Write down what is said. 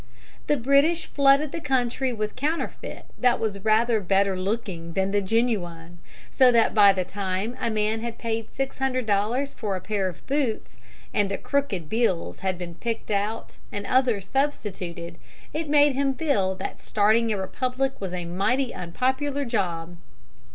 The British flooded the country with a counterfeit that was rather better looking than the genuine: so that by the time a man had paid six hundred dollars for a pair of boots, and the crooked bills had been picked out and others substituted, it made him feel that starting a republic was a mighty unpopular job.